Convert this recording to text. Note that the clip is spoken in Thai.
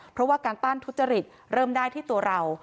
เพราะว่าการต้านทุจริตเริ่มได้ที่ตัวเรา